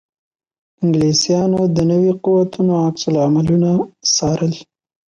انګلیسیانو د نویو قوتونو عکس العملونه څارل.